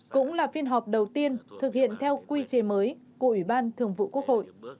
cũng là phiên họp đầu tiên thực hiện theo quy chế mới của ủy ban thường vụ quốc hội